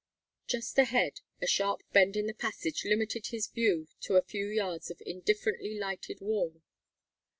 Just ahead a sharp bend in the passage limited his view to a few yards of indifferently lighted wall.